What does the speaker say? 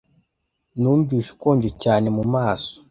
Numvishe ukonje cyane mumaso.